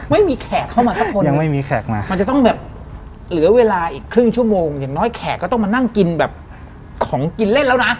ไม่มีแขกเข้ามาสักคนมันจะต้องเหลือเวลาอีกครึ่งชั่วโมงอย่างน้อยแขกก็ต้องมานั่งกินของกินเล่นแล้วนะ